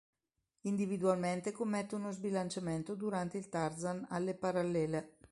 Individualmente commette uno sbilanciamento durante il tarzan alle parallele.